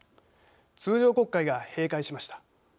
通常国会が閉会しました。